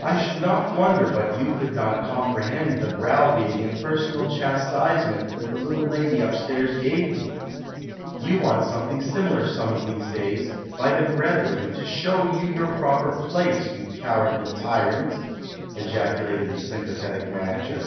1 should not wonder but you could not comprehend the brow beating and personal chastisement that the little lady up stairs gave you. You want something similar some of these days, by the brethren, to show you your proper place, you cowardly tyrant," ejaculated the sympa thetic manager.